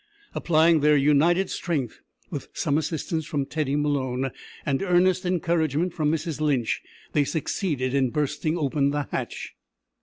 Applying their united strength with some assistance from Teddy Malone, and earnest encouragement from Mrs Lynch they succeeded in bursting open the hatch.